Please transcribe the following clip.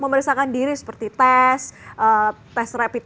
memeriksakan diri seperti tes tes rapid